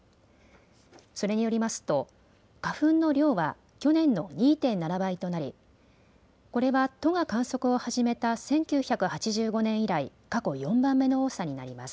それによりますと花粉の量は去年の２．７倍となり、これは都が観測を始めた１９８５年以来、過去４番目の多さになります。